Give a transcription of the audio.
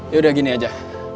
yaudah gini aja